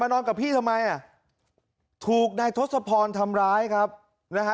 นอนกับพี่ทำไมอ่ะถูกนายทศพรทำร้ายครับนะฮะ